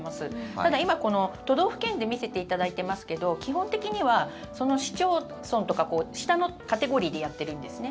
ただ、今、都道府県で見せていただいてますけど基本的にはその市町村とか下のカテゴリーでやっているんですね。